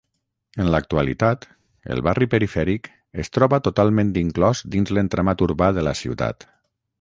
En l'actualitat el barri perifèric es troba totalment inclòs dins l'entramat urbà de la ciutat.